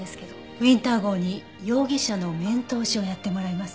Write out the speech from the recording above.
ウィンター号に容疑者の面通しをやってもらいます。